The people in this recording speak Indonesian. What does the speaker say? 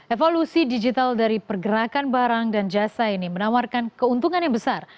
evolusi digital dari pergerakan barang dan jasa ini menawarkan keuntungan yang besar